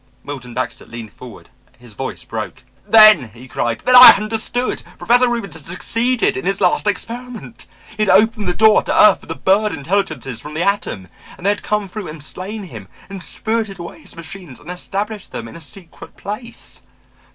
Milton Baxter leaned forward, his voice broke. "Then," he cried, "then I understood! Professor Reubens had succeeded in his last experiment. He had opened the door to earth for the bird intelligences from the atom and they had come through and slain him and spirited away his machines and established them in a secret place!